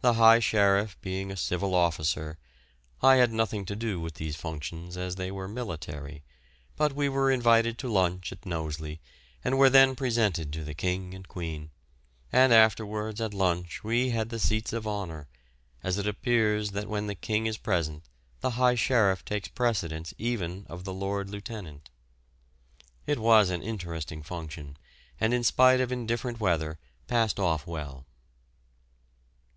The high sheriff being a civil officer, I had nothing to do with these functions as they were military, but we were invited to lunch at Knowsley and were then presented to the King and Queen, and afterwards at lunch we had the seats of honour, as it appears that when the King is present the high sheriff takes precedence even of the lord lieutenant. It was an interesting function, and in spite of indifferent weather passed off well.